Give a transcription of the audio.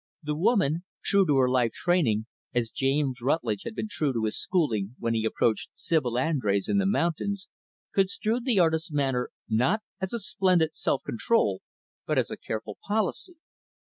The woman, true to her life training, as James Rutlidge had been true to his schooling when he approached Sibyl Andrés in the mountains, construed the artist's manner, not as a splendid self control but as a careful policy.